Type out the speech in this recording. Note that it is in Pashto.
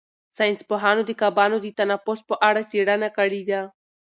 ساینس پوهانو د کبانو د تنفس په اړه څېړنه کړې ده.